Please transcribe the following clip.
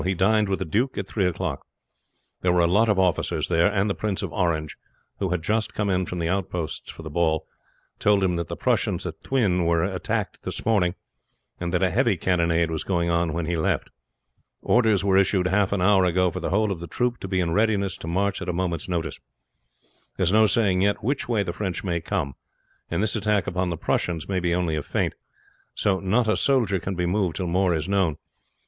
He dined with the duke at three o'clock. There were a lot of officers there, and the Prince of Orange, who had just come in from the outposts for the ball, told him that the Prussians at Thuin were attacked this morning, and that a heavy cannonade was going on when he left. Orders were issued half an hour ago for the whole of the troops to be in readiness to march at a moment's notice. There's no saying yet which way the French may come, and this attack upon the Prussians may be only a feint; so not a soldier can be moved till more is known.